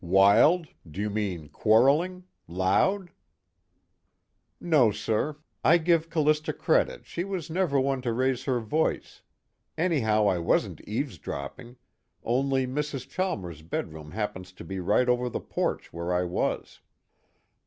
"Wild? Do you mean quarreling? Loud?" "No, sir, I give C'lista credit, she was never one to raise her voice, anyhow I wasn't eavesdropping, only Mrs. Chalmers' bedroom happens to be right over the porch where I was.